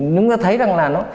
chúng ta thấy rằng là nó